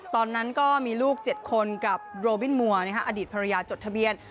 ตอนนั้นก็มีลูก๗คนกับโรบินมัวอดีตภรรยาจดทะเบียน